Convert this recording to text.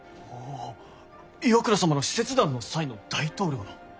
おぉ岩倉様の使節団の際の大統領の！